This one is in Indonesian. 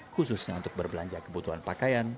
khususnya untuk berbelanja kebutuhan pakaian